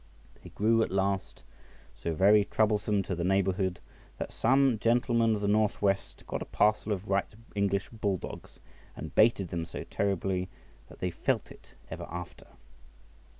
They grew at last so very troublesome to the neighbourhood, that some gentlemen of the North West got a parcel of right English bull dogs, and baited them so terribly, that they felt it ever after.